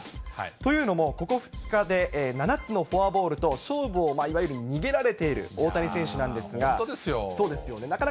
というのも、ここ２日で７つのフォアボールと、勝負をいわゆる逃げられている大谷選手なんですが。